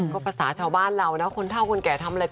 ก็ภาษาชาวบ้านเรานะคนเท่าคนแก่ทำอะไร